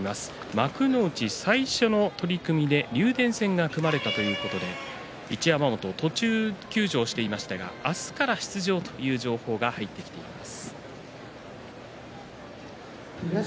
幕内、最初の取組で竜電戦が組まれたということで一山本、途中休場していましたが明日から出場という情報が入っています。